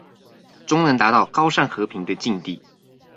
終能達到高尚和平的境地